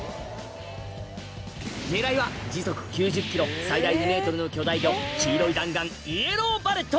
狙いは時速９０ｋｍ最大２ｍの巨大魚黄色い弾丸イエローバレット